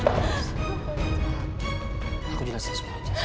aku jelasin semua jessi